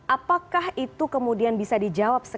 apakah itu kemudian bisa dijawab